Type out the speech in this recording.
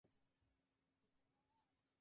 En aquellos años, no deja de escribir.